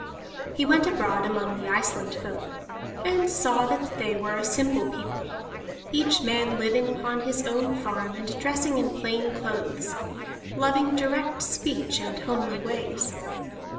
He went abroad among the Iceland folk, and saw that they were a simple people, each man living upon his own farm and dressing in plain clothes, loving direct speech and homely ways.